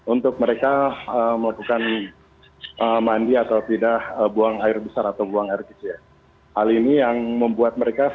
untuk para pengusaha